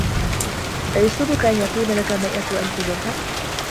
أَيَسُرُّكَ أَنْ يَكُونَ لَك مِائَةُ أَلْفِ دِرْهَمٍ